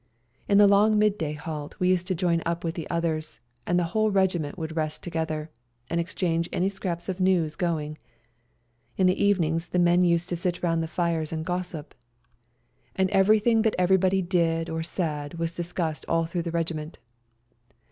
In the long midday halt we used to join up with the others, and the whole regiment would rest together, and exchange any scraps of news going. In the evenings the men used to sit round the fires and gossip, and every ELBASAN 163 thing that everybody did or said was dis cussed all through the regiment.